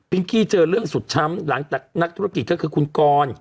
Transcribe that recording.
กี้เจอเรื่องสุดช้ำหลังจากนักธุรกิจก็คือคุณกร